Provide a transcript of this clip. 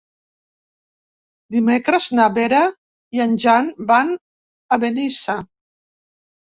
Dimecres na Vera i en Jan van a Benissa.